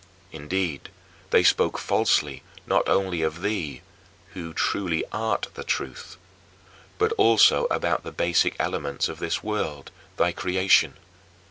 Indeed, they spoke falsely not only of thee who truly art the Truth but also about the basic elements of this world, thy creation.